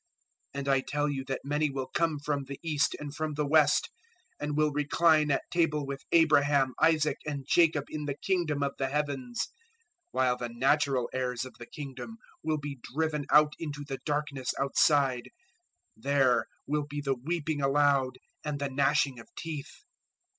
008:011 And I tell you that many will come from the east and from the west and will recline at table with Abraham, Isaac and Jacob in the Kingdom of the Heavens, 008:012 while the natural heirs of the Kingdom will be driven out into the darkness outside: there will be the weeping aloud and the gnashing of teeth."